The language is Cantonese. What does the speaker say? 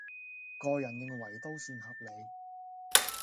個人認為都算合理